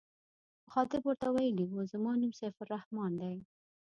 مخاطب ورته ویلي و زما نوم سیف الرحمن دی.